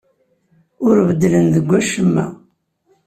Ur beddlen deg wacemma.